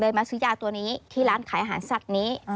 มาซื้อยาตัวนี้ที่ร้านขายอาหารสัตว์นี้